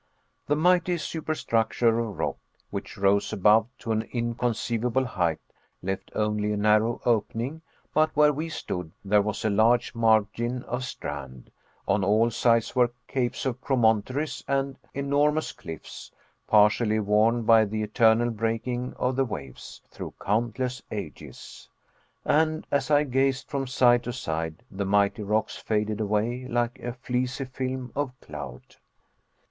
The mighty superstructure of rock which rose above to an inconceivable height left only a narrow opening but where we stood, there was a large margin of strand. On all sides were capes and promontories and enormous cliffs, partially worn by the eternal breaking of the waves, through countless ages! And as I gazed from side to side, the mighty rocks faded away like a fleecy film of cloud.